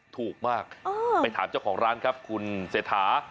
ถูกมากไปถามเจ้าของร้านครับคุณเศรษฐา